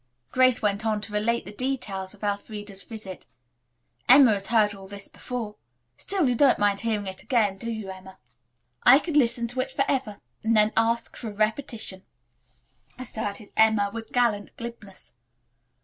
Grace went on to relate the details of Elfreda's visit. "Emma has heard all this before. Still, you don't mind hearing it again, do you, Emma?" "I could listen to it forever, and then ask for a repetition," asserted Emma with gallant glibness.